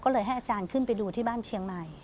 ก็เลยให้อาจารย์ขึ้นไปดูที่บ้านเชียงใหม่